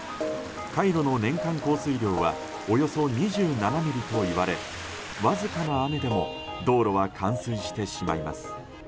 カイロの年間降水量はおよそ２７ミリといわれわずかな雨でも道路は冠水してしまいます。